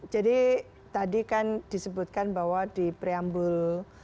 jadi tadi kan disebutkan bahwa di preambul